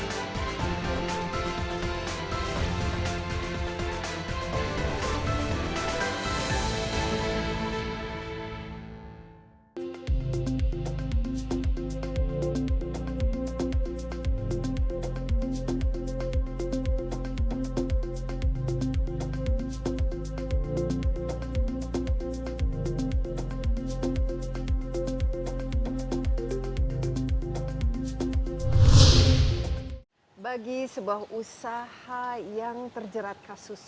pembangunan saranajaya sendiri berkomitmen untuk menjaga